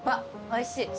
おいしい？